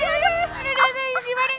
aduh aduh aduh aduh